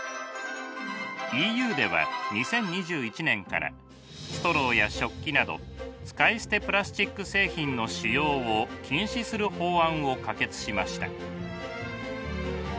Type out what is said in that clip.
ＥＵでは２０２１年からストローや食器など使い捨てプラスチック製品の使用を禁止する法案を可決しました。